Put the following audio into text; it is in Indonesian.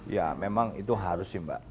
ya memang itu harus sih mbak